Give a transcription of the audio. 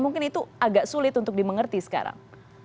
mungkin itu agak sulit untuk dimengerti sekarang